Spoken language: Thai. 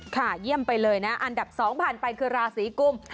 เยี่ยมไปเลยนะอันดับ๒ผ่านไปคือราศีกุม